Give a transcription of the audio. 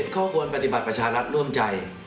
๗ข้อควรปฏิบัติประชารักษณ์ร่วมใจ